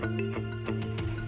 miranda sekarang kamu bisa senang